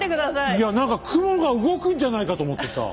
いや何か雲が動くんじゃないかと思ってさ。